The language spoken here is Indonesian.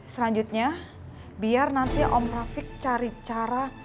selanjutnya biar nanti om trafik cari cara